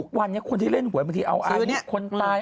ก็บอกว่าทุกวันนี้คนที่เล่นหวยบางทีเอาอาหิตคนตาย